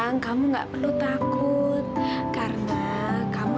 enggak lera tunggu tante dewi